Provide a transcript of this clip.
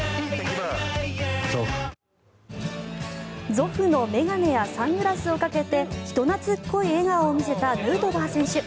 Ｚｏｆｆの眼鏡やサングラスをかけて人懐っこい笑顔を見せたヌートバー選手。